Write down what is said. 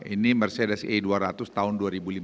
ini mercedes a dua ratus tahun dua ribu lima belas